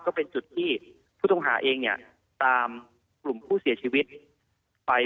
ก็เป็นจุดที่ผู้ต้องหาเองเนี่ยตามกลุ่มผู้เสียชีวิตไป